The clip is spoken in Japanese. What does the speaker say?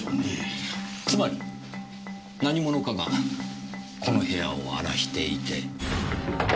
つまり何者かがこの部屋を荒らしていて。